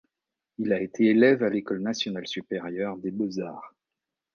Il a été élève à l'École nationale supérieure des beaux-arts.